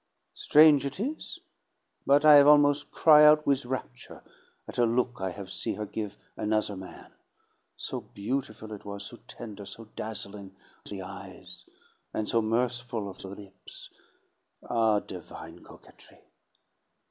Strange it is, but I have almos' cry out with rapture at a look I have see' her give another man, so beautiful it was, so tender, so dazzling of the eyes and so mirthful of the lips. Ah, divine coquetry!